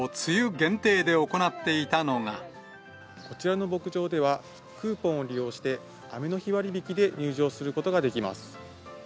きょう、こちらの牧場では、クーポンを利用して、雨の日割引で入場することができます。